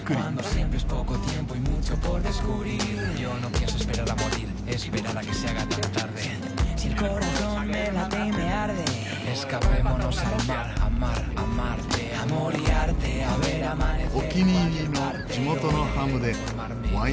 お気に入りの地元のハムでワインも進みます。